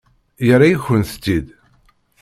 Yerra-yakent-tt-id?